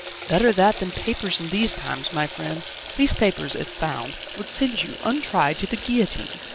"Better that than papers in these times, my friend: these papers, if found, would send you, untried, to the guillotine."